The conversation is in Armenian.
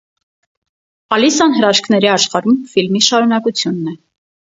«Ալիսան հրաշքների աշխարհում» ֆիլմի շարունակությունն է։